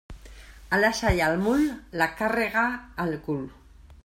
A l'ase i al mul, la càrrega al cul.